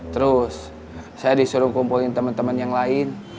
terus saya disuruh kumpulin temen temen yang lain